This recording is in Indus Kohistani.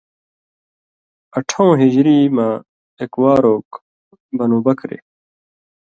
اٹھؤں ہجری مہ اېک وار اوک بنُو بکرے،